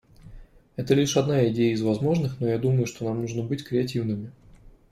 Это лишь одна идея из возможных, но я думаю, что нам нужно быть креативными.